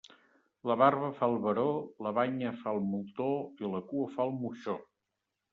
La barba fa el baró, la banya fa el moltó i la cua fa el moixó.